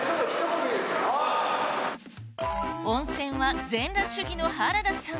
温泉は全裸主義の原田さん